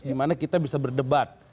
di mana kita bisa berdebat